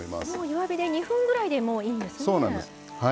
弱火で２分ぐらいでいいんですね。